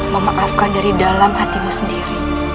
memaafkan dari dalam hatimu sendiri